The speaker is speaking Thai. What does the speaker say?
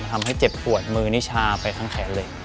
ทำให้เจ็บปวดมือนิชาไปทั้งแขนเลย